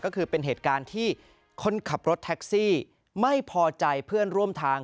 ก็คือเป็นเหตุการณ์ที่คนขับรถแท็กซี่ไม่พอใจเพื่อนร่วมทาง